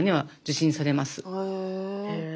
へえ。